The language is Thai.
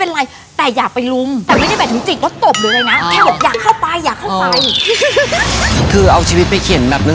อันนี้พูดจริงนะแล้วเค้ากำลังจะวิ่งเข้าไป